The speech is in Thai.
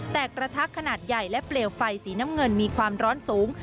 แต่กระทะขนาดใหญ่และเปลวไฟสีน้ำเงินมีความร้อนสูง